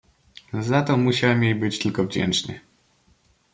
"Za to musiałem jej być tylko wdzięczny."